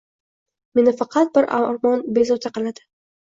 Meni faqat bir armon bezovta qiladi.